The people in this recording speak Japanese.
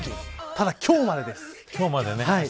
ただ、今日までです。